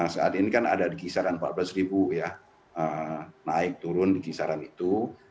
saat ini kan ada di kisaran empat belas ribu ya naik turun di kisaran itu